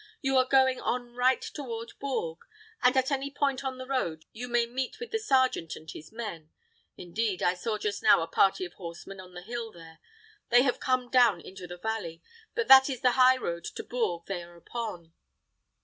You are going on right toward Bourges, and at any point of the road you may meet with the sergeant and his men. Indeed, I saw just now a party of horsemen on the hill there. They have come down into the valley; but that is the high road to Bourges they were upon."